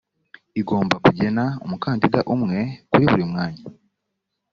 igomba kugena umukandida umwe kuri buri mwanya